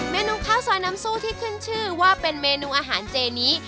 เมนูข้าวซอยน้ำซู่ที่ขึ้นชื่อว่าเป็นเมนูอาหารเจนี้